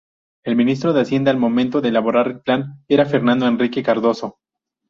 El ministro de Hacienda al momento de elaborar el plan era Fernando Henrique Cardoso.